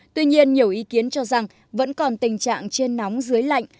tuy nhiên nhiều ý kiến cho rằng vẫn còn tình trạng trên nóng dưới lạnh